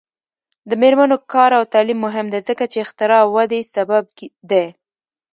د میرمنو کار او تعلیم مهم دی ځکه چې اختراع ودې سبب دی.